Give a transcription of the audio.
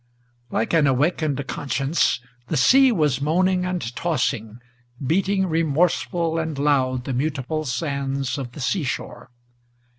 Like an awakened conscience, the sea was moaning and tossing, Beating remorseful and loud the mutable sands of the sea shore.